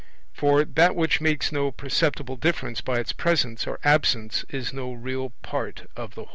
For that which makes no perceptible difference by its presence or absence is no real part of the whole.